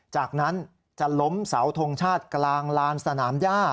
จากนั้นจะล้มเสาทงชาติกลางลานสนามย่า